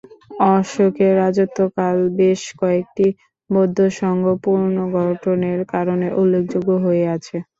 অশোকের রাজত্বকাল বেশ কয়েকটি বৌদ্ধসংঘ পুনর্গঠনের কারণে উল্লেখযোগ্য হয়ে আছে।